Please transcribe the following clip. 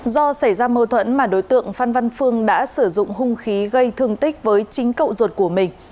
do xảy ra mâu thuẫn mà đối tượng phan văn phương đã sử dụng hung khí gây thương tích với chính cậu ruột của mình